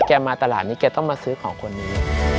มาตลาดนี้แกต้องมาซื้อของคนนี้